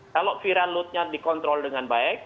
kalau viral loadnya dikontrol dengan baik